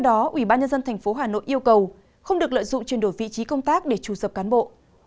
có ubnd tp hà nội yêu cầu không được lợi dụng chuyển đổi vị trí công tác để trụ sập cán bộ